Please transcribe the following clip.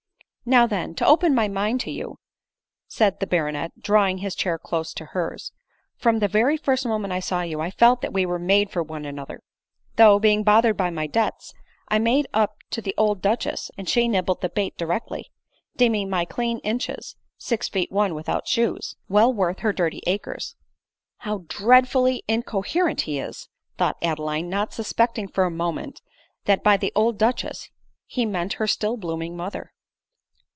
'* Now then, to open my mind to you," said the bar onet, drawing his chair close to hers ;" From the very first moment I saw you, I felt that we were made for one another ; though, being bothered by my debts, I made up to the old duchess, and she nibbled the bait directly — deeming ray clean inches (six jeet one, without shoes,) well worth her dirty acres." " How dreadfully incoherent he is !" thought Adeline, not suspecting for a moment, that by the old duchess, he meant her still blooming mother.